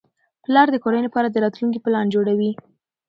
پلار د کورنۍ لپاره د راتلونکي پلان جوړوي